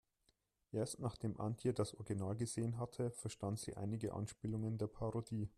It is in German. Erst nachdem Antje das Original gesehen hatte, verstand sie einige Anspielungen der Parodie.